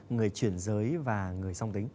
người chuyển giới và người song tính